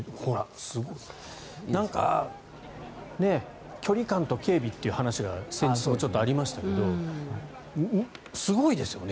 なんか、距離感と警備という話が先日もちょっとありましたけどすごいですよね